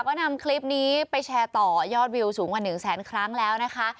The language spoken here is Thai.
ก็นำคลิปนี้ไปแชร์ต่อยอดวิวสูงกว่า๑แสนครั้งแล้วนะคะ